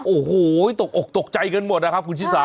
โอ้โหตกอกตกใจกันหมดนะครับคุณชิสา